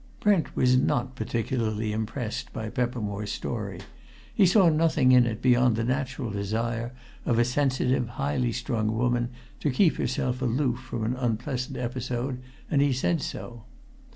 Brent was not particularly impressed by Peppermore's story. He saw nothing in it beyond the natural desire of a sensitive, highly strung woman to keep herself aloof from an unpleasant episode, and he said so.